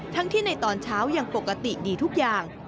ทั้งที่ในตอนเช้ายังปกติดีทุกอย่าง